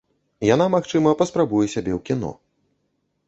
Яна, магчыма, паспрабуе сябе ў кіно.